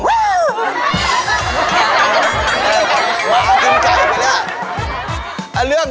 มาเอากินก้าวไปแล้ว